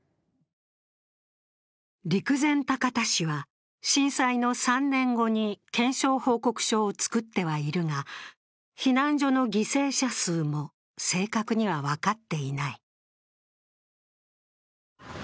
陸前高田市は震災の３年後に検証報告書を作ってはいるが避難所の犠牲者数も正確には分かっていない。